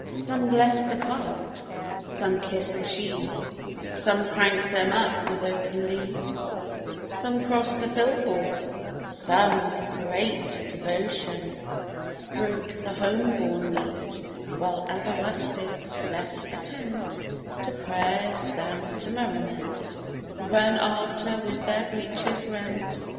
Some bless the cart; some kiss the sheaves; Some prank them up with oaken leaves: Some cross the fill horse; some with great Devotion, stroke the home borne wheat: While other rustics, less attent To prayers, than to merriment, Run after with their breeches rent.